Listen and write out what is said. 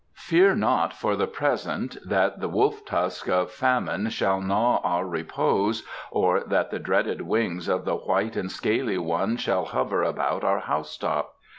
Fear not for the present that the wolf tusk of famine shall gnaw our repose or that the dreaded wings of the white and scaly one shall hover about our house top.